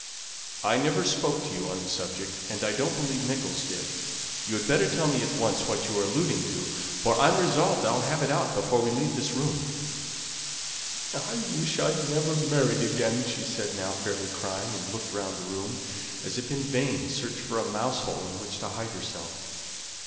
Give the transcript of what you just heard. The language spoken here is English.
"I never spoke to you on the subject, and I don't believe Nicholls did. You'd better tell me at once what you're alluding to, for I'm resolved I'll have it out before we leave this room." "I wish I'd never married again," she said, now fairly crying, and looking round the room, as if in vain search for a mouse hole in which to hide herself.